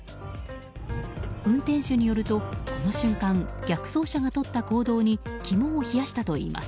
運転手によると、この瞬間逆走車がとった行動に肝を冷やしたといいます。